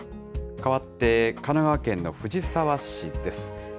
変わって、神奈川県の藤沢市です。